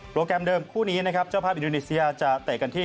แกรมเดิมคู่นี้นะครับเจ้าภาพอินโดนีเซียจะเตะกันที่